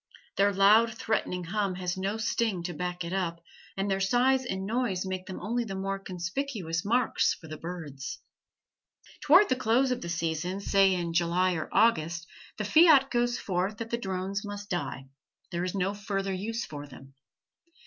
Their loud, threatening hum has no sting to back it up, and their size and noise make them only the more conspicuous marks for the birds. Toward the close of the season, say in July or August, the fiat goes forth that the drones must die; there is no further use for them.